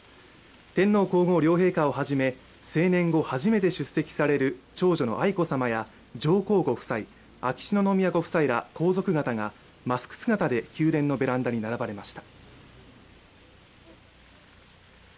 天皇皇后両陛下をはじめ成年後初めて出席される長女の愛子さまや、上皇ご夫妻、秋篠宮ご夫妻ら皇族方がマスク姿で宮殿のベランダに並ばれました。